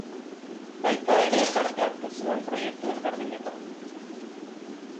Baita ere parte hartu zuen proiektu ezberdinetan.